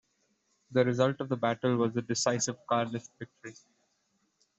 The result of the battle was a decisive Carlist victory.